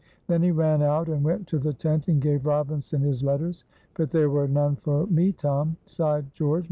Then he ran out and went to the tent and gave Robinson his letters. "But there were none for me, Tom," sighed George.